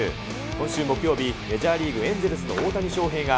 今週木曜日、メジャーリーグ・エンゼルスの大谷翔平が、